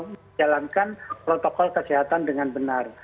menjalankan protokol kesehatan dengan benar